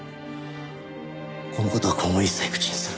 この事は今後一切口にするな。